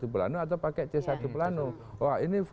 pelanu atau pakai c satu pelanu wah ini